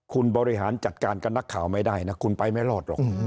คุณบริหารจัดการกับนักข่าวไม่ได้นะคุณไปไม่รอดหรอก